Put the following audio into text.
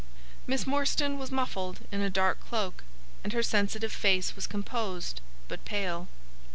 Miss Morstan was muffled in a dark cloak, and her sensitive face was composed, but pale.